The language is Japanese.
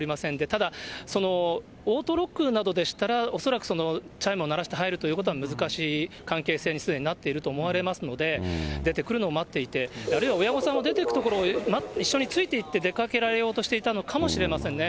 ただ、オートロックなどでしたら、恐らくチャイムを鳴らして入るということは難しい関係性にすでになっていると思われますので、出てくるのを待っていて、あるいは親御さんも出ていくところを一緒についていって出かけられようとしていたのかもしれませんね。